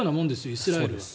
イスラエルは。